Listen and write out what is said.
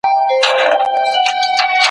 افريدی دی که مومند دی !.